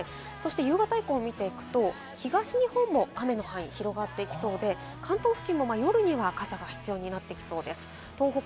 夕方以降を見ていくと、東の方も雨の範囲、広がってきそうで、関東付近も夜には傘が必要になってきそうです。